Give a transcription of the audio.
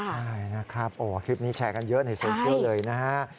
ใช่นะครับโอ้คลิปนี้แชร์กันเยอะในโซเชียลเลยนะฮะ